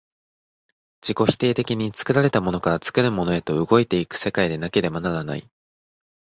自己否定的に作られたものから作るものへと動いて行く世界でなければならない。